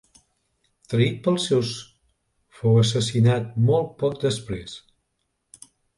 Traït pels seus fou assassinat molt poc després.